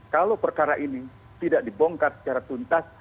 kalau perkara ini tidak dibongkar secara tuntas